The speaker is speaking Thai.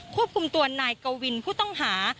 ควบคุมตัวนายกวินผู้ต้องหา